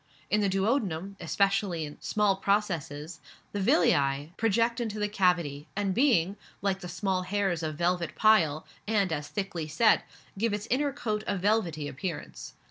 In the duodenum, especially, small processes, the villi project into the cavity, and being, like the small hairs of velvet pile, and as thickly set, give its inner coat a velvety appearance.